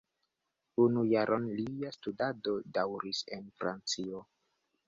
Unu jaron lia studado daŭris en Francio.